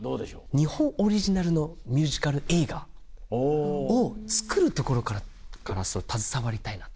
日本オリジナルのミュージカル映画を作るところから携わりたいなと。